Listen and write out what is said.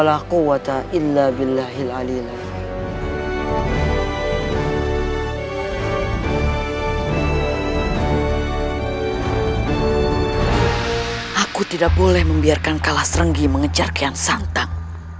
aku tidak boleh membiarkan kalah serenggi mengejar kian santang